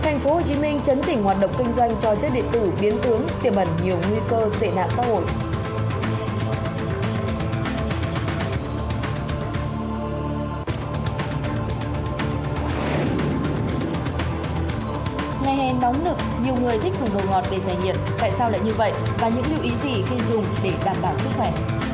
như vậy và những lưu ý gì khi dùng để đảm bảo sức khỏe